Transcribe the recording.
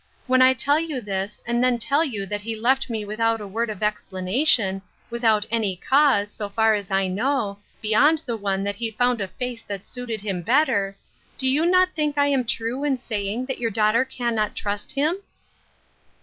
When I tell you this, and then tell you that he left me without a word of explanation, without any cause, so far as I know, beyond the one that he found a face that suited him better, do you not think I am true in saying that your daughter cannot trust him